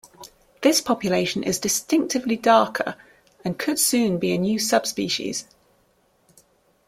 This population is distinctively darker and could soon be a new subspecies.